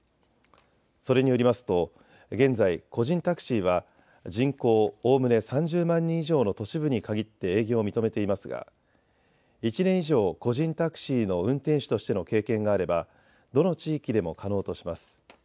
それによりますと現在、個人タクシーは人口おおむね３０万人以上の都市部に限って営業を認めていますが１年以上、個人タクシーの運転手としての経験があればどの地域でも可能とします。